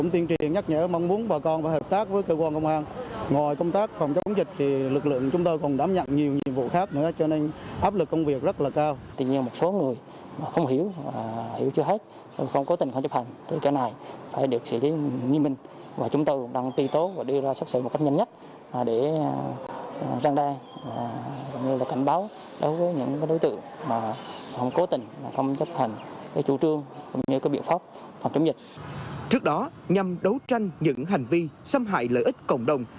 trước đó nhằm đấu tranh những hành vi xâm hại lợi ích cộng đồng